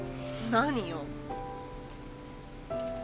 何よ？